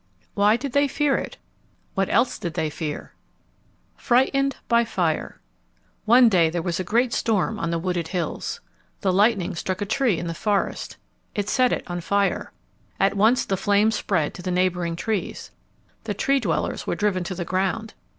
Why did they fear it? What else did they fear? Frightened by Fire One day there was a great storm on the wooded hills. The lightning struck a tree in the forest. It set it on fire. At once the flames spread to the neighboring trees. The Tree dwellers were driven to the ground.